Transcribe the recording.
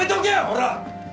ほら！